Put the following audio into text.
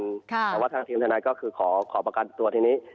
แต่ว่าทางทีมทนายก็คือขอประกันตัวทีนี้